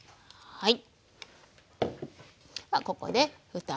はい。